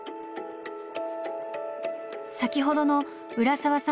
先ほどの浦沢さん